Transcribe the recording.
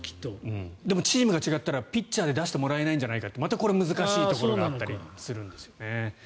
でも、チームが違ったらピッチャーで出してもらえないんじゃないかって難しいところがあるんですが。